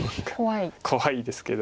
怖いですか。